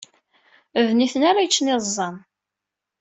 D nitni ara yeččen iẓẓan.